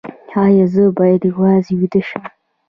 ایا زه باید یوازې ویده شم؟